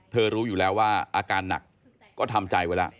รู้อยู่แล้วว่าอาการหนักก็ทำใจไว้แล้ว